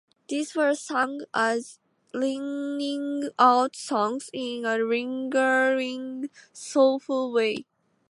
These were sung as "lining out" songs, in a lingering soulful way.